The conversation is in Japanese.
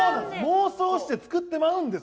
妄想して作ってまうんです。